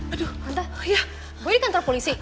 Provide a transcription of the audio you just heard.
aduh tante boy di kantor polisi